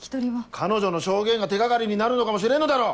彼女の証言が手掛かりになるのかもしれんのだろ。